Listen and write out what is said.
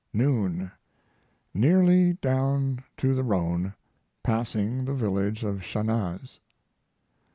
Noon. Nearly down to the Rhone, passing the village of Chanaz.